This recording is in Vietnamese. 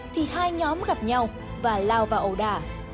thì hai nhóm gặp nhau và lao vào ầu đà